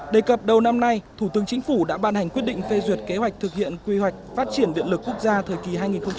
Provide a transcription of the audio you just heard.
đề cập đầu năm nay thủ tướng chính phủ đã ban hành quyết định phê duyệt kế hoạch thực hiện quy hoạch phát triển điện lực quốc gia thời kỳ hai nghìn hai mươi một hai nghìn ba mươi